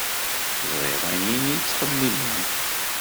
Ẓriɣ ayen ay ttxemmimen.